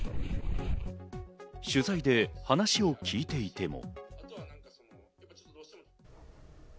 取材で話を聞いていても。